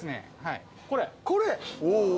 これ？